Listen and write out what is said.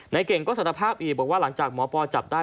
เก่งก็สารภาพอีกบอกว่าหลังจากหมอปอจับได้